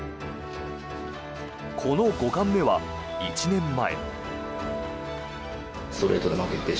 この五冠目は１年前。